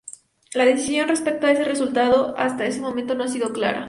La decisión respecto a ese resultado, hasta el momento, no ha sido clara.